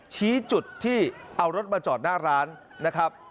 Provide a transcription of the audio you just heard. ชี้จุดที่เอารถมาจอดหน้าร้านนะครับ